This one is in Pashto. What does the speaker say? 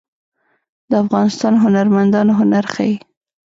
د افغانستان هنرمندان هنر ښيي